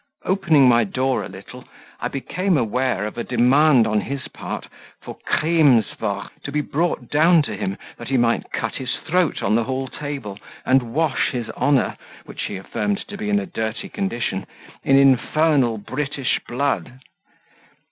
Opening my door a little, I became aware of a demand on his part for "Creemsvort" to be brought down to him that he might cut his throat on the hall table and wash his honour, which he affirmed to be in a dirty condition, in infernal British blood.